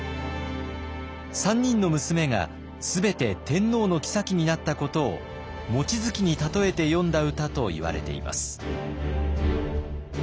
３人の娘が全て天皇の后になったことを望月に例えて詠んだ歌といわれています。